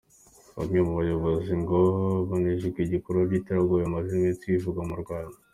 Bamwe mu bayobozi ngo bajenjekeye ibikorwa by’iterabwoba bimaze iminsi bivugwa mu Rwanda.